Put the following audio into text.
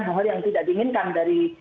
hal hal yang tidak diinginkan dari